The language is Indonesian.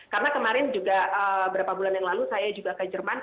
karena kemarin juga beberapa bulan yang lalu saya juga ke jerman